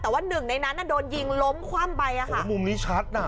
แต่ว่าหนึ่งในนั้นน่ะโดนยิงล้มคว่ำไปอ่ะค่ะมุมนี้ชัดน่ะ